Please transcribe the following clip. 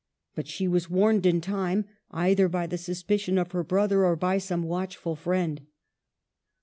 But she was warned in time, either by the sus picion of her brother or by some watchful friend.